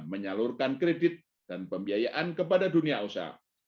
menyalurkan kredit dan pembiayaan kepada dunia usaha